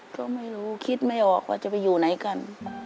ก็ไม่รู้คิดไม่ออกว่าจะไปอยู่ไหนกัน